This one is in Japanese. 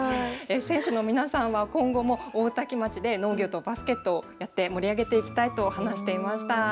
選手の皆さんは今後も大多喜町で農業とバスケットをやって盛り上げていきたいと話していました。